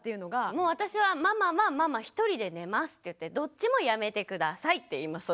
もう私は「ママはママ１人で寝ます」って言って「どっちもやめて下さい」って言いますそうしたら。